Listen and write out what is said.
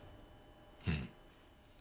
うん。